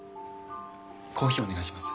コーヒーお願いします。